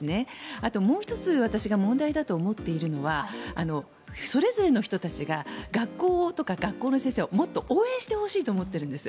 あともう１つ、私が問題だと思っているのはそれぞれの人たちが学校とか学校の先生をもっとお応援してほしいと思っているんです。